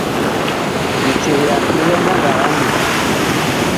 Miceglan mi lɛ ngandag a eniŋ.